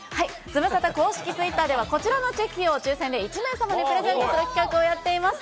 ズムサタ公式ツイッターではこちらのチェキを抽選で１名様にプレゼントする企画をやっています。